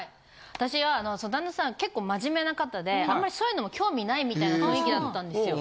私は旦那さんは結構真面目な方であんまりそういうのも興味ないみたいな雰囲気だったんですよ。